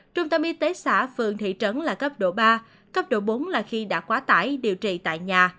trung tâm y tế xã phường thị trấn là cấp độ ba cấp độ bốn là khi đã quá tải điều trị tại nhà